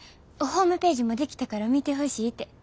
ホームページも出来たから見てほしいて。